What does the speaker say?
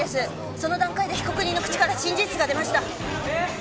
その段階で被告人の口から新事実が出ました！